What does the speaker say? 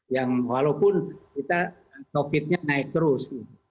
yang walaupun kita covid nya naik terus